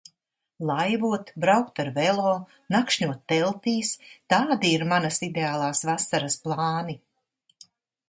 Laivot, braukt ar velo, nakšņot teltīs - tādi ir manas ideālās vasaras plāni.